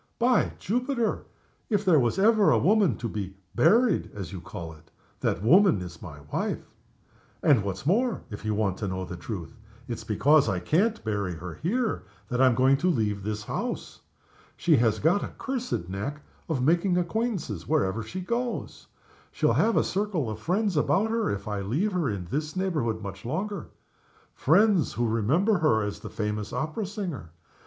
By Jupiter! if ever there was a woman to be 'buried' (as you call it), that woman is my wife. And, what's more, if you want the truth, it's because I can't bury her here that I'm going to leave this house. She has got a cursed knack of making acquaintances wherever she goes. She'll have a circle of friends about her if I leave her in this neighborhood much longer. Friends who remember her as the famous opera singer.